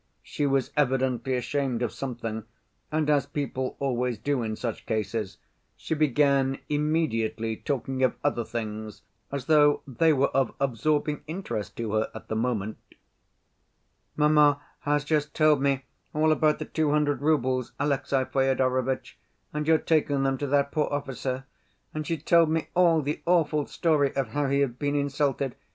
She was evidently ashamed of something, and, as people always do in such cases, she began immediately talking of other things, as though they were of absorbing interest to her at the moment. "Mamma has just told me all about the two hundred roubles, Alexey Fyodorovitch, and your taking them to that poor officer ... and she told me all the awful story of how he had been insulted